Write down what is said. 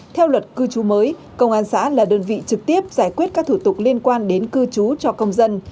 theo luật cư trú mới công an xã là đơn vị trực tiếp giải quyết các thủ tục liên quan đến cư trú cho công dân